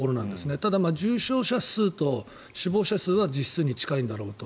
ただ、重症者数と死亡者数は実数に近いんだろうと。